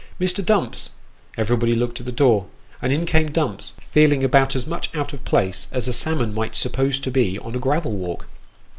" Mr. Dumps !" everybody looked at the door, and in came Dumps, feeling about as much out of place as a salmon might be supposed to be on a gravel walk.